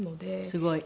すごい。